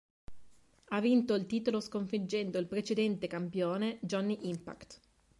Ha vinto il titolo sconfiggendo il precedente campione Johnny Impact.